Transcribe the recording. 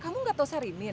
kamu gak tau sarimin